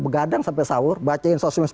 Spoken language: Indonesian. begadang sampai sahur bacain sosis